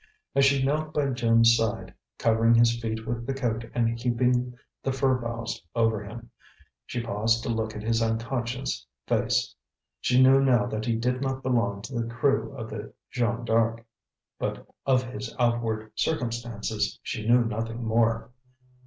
As she knelt by Jim's side, covering his feet with the coat and heaping the fir boughs over him, she paused to look at his unconscious face. She knew now that he did not belong to the crew of the Jeanne D'Arc; but of his outward circumstances she knew nothing more.